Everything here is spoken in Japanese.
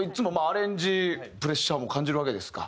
アレンジプレッシャーも感じるわけですか。